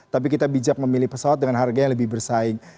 tapi kita bijak memilih pesawat dengan harga yang lebih bersaing